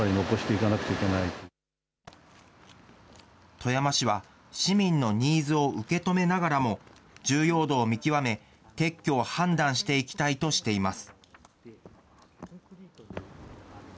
富山市は、市民のニーズを受け止めながらも、重要度を見極め、撤去を判断していきたいとしています。